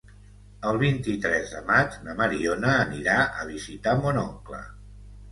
El vint-i-tres de maig na Mariona anirà a visitar mon oncle.